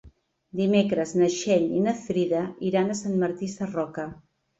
Dimecres na Txell i na Frida iran a Sant Martí Sarroca.